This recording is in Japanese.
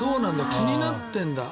気になってるんだ。